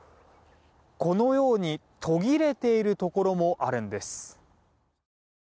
このように途切れているところもあるんです。